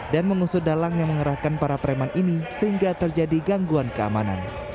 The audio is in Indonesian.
dan mengusut dalang yang mengerahkan para pereman ini sehingga terjadi gangguan keamanan